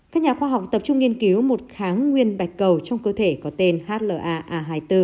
các nhà khoa học tập trung nghiên cứu một kháng nguyên bạch cầu trong cơ thể có tên hlaa hai mươi bốn